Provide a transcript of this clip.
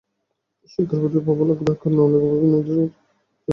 শিক্ষার প্রতি প্রবল আগ্রহের কারণে অনেক অভিভাবক মেয়েদের অন্যত্র পাঠিয়ে দেন।